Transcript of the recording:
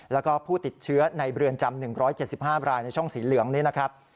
แล้วก็ผู้ติดเชื้อในเรือนจำ๑๗๕รายในช่องสีเหลืองนี้นะครับ